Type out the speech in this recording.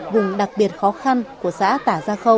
vùng đặc biệt khó khăn của xã tả gia khâu